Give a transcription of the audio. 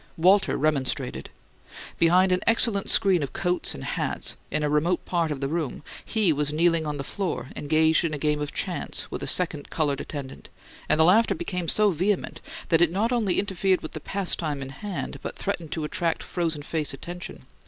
Walter remonstrated. Behind an excellent screen of coats and hats, in a remote part of the room, he was kneeling on the floor, engaged in a game of chance with a second coloured attendant; and the laughter became so vehement that it not only interfered with the pastime in hand, but threatened to attract frozen face attention.